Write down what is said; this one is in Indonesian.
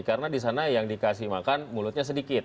karena di sana yang dikasih makan mulutnya sedikit